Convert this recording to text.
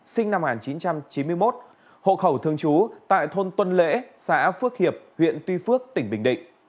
sinh năm một nghìn chín trăm chín mươi một hộ khẩu thương chú tại thôn tuân lễ xã phước hiệp huyện tuy phước tỉnh bình định